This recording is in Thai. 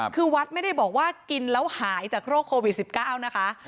คือวัดไม่ได้บอกว่ากินแล้วหายจากโรคโควิด๑๙นะคะ